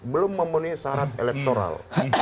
belum memenuhi syarat elektoral